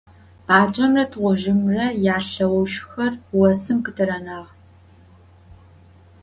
Bacemre tığuzjımre yalheujjxer vosım khıtıranağ.